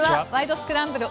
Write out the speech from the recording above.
スクランブル」